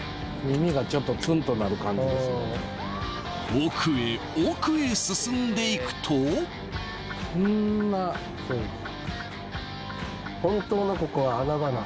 奥へ奥へ進んでいくとこんなそうです